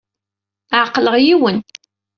Ɛeqleɣ yiwen.